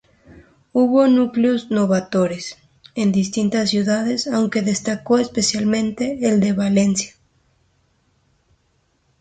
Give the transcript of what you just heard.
Hubo núcleos "novatores" en distintas ciudades, aunque destacó especialmente el de Valencia.